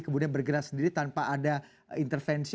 kemudian bergerak sendiri tanpa ada intervensi